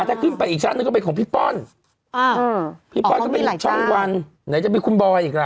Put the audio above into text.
อ่าถ้าขึ้นไปอีกชั้นก็เป็นของพี่ป้อนอืมพี่ป้อนก็เป็นช่องวันไหนจะมีคุมบอยอีกล่ะ